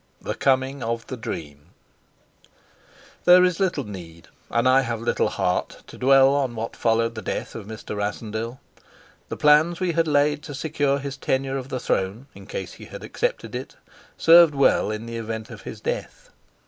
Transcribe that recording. THE COMING OF THE DREAM THERE IS little need, and I have little heart, to dwell on what followed the death of Mr. Rassendyll. The plans we had laid to secure his tenure of the throne, in case he had accepted it, served well in the event of his death.